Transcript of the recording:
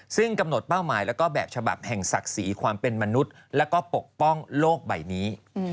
ซึ่งกำหนดเป้าหมายแล้วก็แบบฉบับแห่งศักดิ์ศรีความเป็นมนุษย์แล้วก็ปกป้องโลกใบนี้